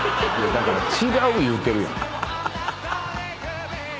だから違う言うてるやん。